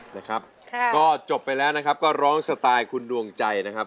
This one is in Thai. นะครับค่ะก็จบไปแล้วนะครับก็ร้องสไตล์คุณดวงใจนะครับ